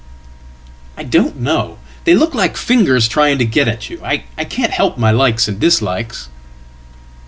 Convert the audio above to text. ""I don't know. They look like fingers trying to get at you. I can't helpmy likes and dislikes.""